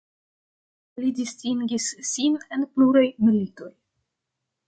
Li distingis sin en pluraj militoj.